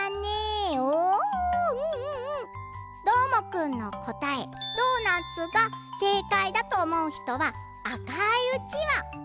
どーもくんのこたえ「ドーナツ」がせいかいだとおもうひとはあかいうちわ。